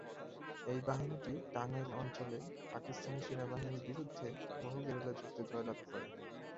এই বাহিনীটি টাঙ্গাইল অঞ্চলে পাকিস্তানি সেনাবাহিনীর বিরুদ্ধে বহু গেরিলা যুদ্ধে জয়লাভ করে।